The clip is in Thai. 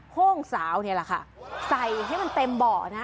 โค้งสาวนี่แหละค่ะใส่ให้มันเต็มเบาะนะ